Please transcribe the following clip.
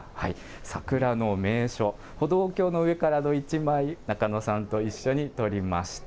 桜の名所、歩道橋の上からの一枚、ナカノさんと一緒に撮りました。